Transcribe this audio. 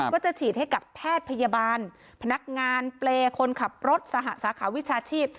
ก็จะฉีดให้กับแพทย์พยาบาลพนักงานเปรย์คนขับรถสหสาขาวิชาชีพ